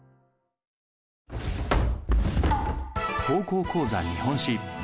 「高校講座日本史」。